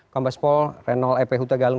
kompas pol renold e p huta galung